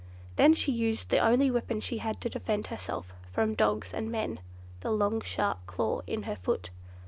Then she used the only weapon she had to defend herself from dogs and men—the long sharp claw in her foot.